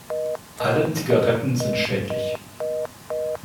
Alle Zigaretten sind schädlich.